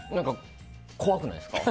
怖くないですか？